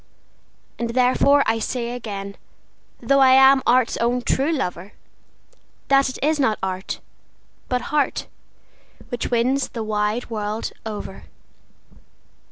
And therefore I say again, though I am art's own true lover, That it is not art, but heart, which wins the wide world over.